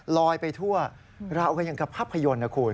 ลอยไปทั่วราวกันอย่างกับภาพยนตร์นะคุณ